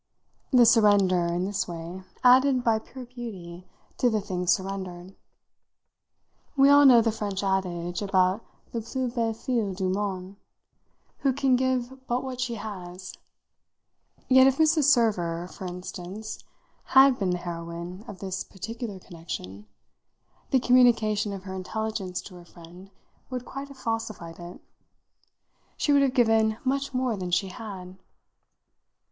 The surrender, in this way, added, by pure beauty, to the thing surrendered. We all know the French adage about that plus belle fille du monde who can give but what she has; yet if Mrs. Server, for instance, had been the heroine of this particular connection, the communication of her intelligence to her friend would quite have falsified it. She would have given much more than she had.